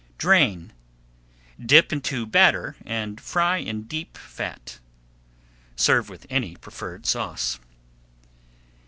Drain, dip into batter and fry in deep fat. Serve with any preferred sauce.